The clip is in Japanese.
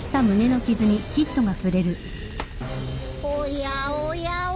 おやおやおや？